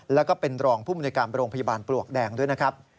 แล้วก็เป็นรองภูมิในการโรงพยาบาลปลวกแดงด้วยนะครับ